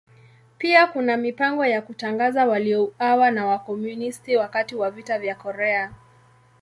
Pia kuna mipango ya kutangaza waliouawa na Wakomunisti wakati wa Vita vya Korea.